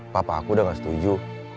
papa aku udah gak setuju